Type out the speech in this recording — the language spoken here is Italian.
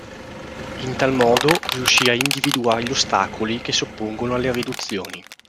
In tal modo riuscì a individuare gli ostacoli che si oppongono alle riduzioni.